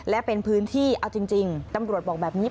และเป็นพื้นที่เอาจริงตำรวจบอกแบบนี้